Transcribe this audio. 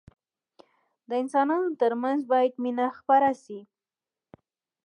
د انسانانو ترمنځ باید مينه خپره سي.